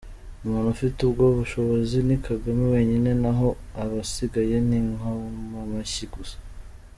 Umuntu ufite ubwo bushobozi ni Kagame wenyine naho abasigaye ni inkomamashyi gusa.